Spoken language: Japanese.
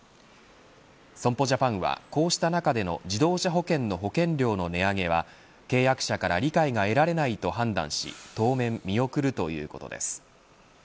損保ジャパンは、こうした中での自動車保険の保険料の値上げは契約者から理解が得られないと判断し当面、見送るということです。